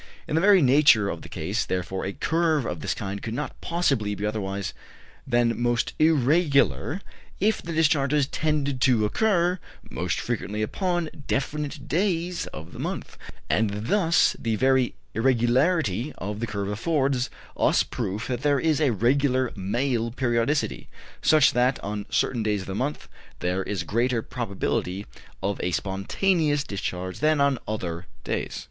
In the very nature of the case, therefore, a curve of this kind could not possibly be otherwise than most irregular if the discharges tended to occur most frequently upon definite days of the month; and thus the very irregularity of the curve affords us proof that there is a regular male periodicity, such that on certain days of the month there is greater probability of a spontaneous discharge than on any other days.